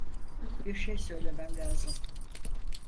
Bir şey söylemem lazım.